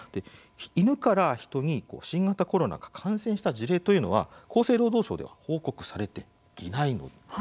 犬から人に新型コロナが感染した事例というのは、厚生労働省では報告されていないんです。